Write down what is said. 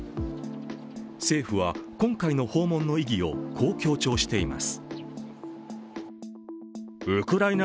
政府は今回の訪問の意義をこう強調しています。